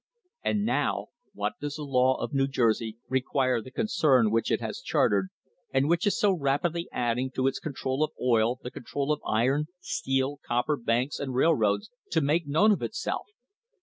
And now what does the law of New Jersey require the con cern which it has chartered, and which is so rapidly adding to its control of oil the control of iron, steel, copper, banks, and railroads, to make known of itself?